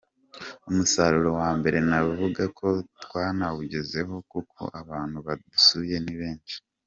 Umusaruro wa mbere navuga ko twanawugezeho kuko abantu badusuye ni benshi.